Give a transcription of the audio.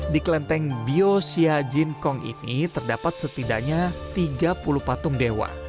di kelenteng biosya jinkong ini terdapat setidaknya tiga puluh patung dewa